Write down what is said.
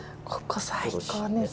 ここ最高です。